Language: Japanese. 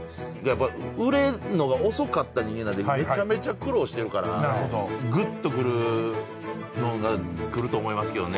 やっぱ売れんのが遅かった人間なんでめちゃめちゃ苦労してるからグッとくるのんがくると思いますけどね。